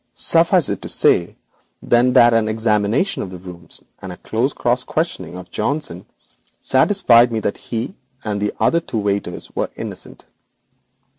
Suffice it to say that an examination of the rooms and a close cross questioning of Johnson satisfied me he and the two waiters were innocent.